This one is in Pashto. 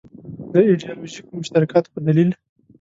د ایدیالوژیکو مشترکاتو په دلیل.